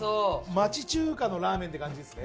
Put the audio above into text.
町中華のラーメンって感じですね